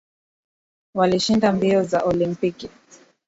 Walishinda mbio za olimpiki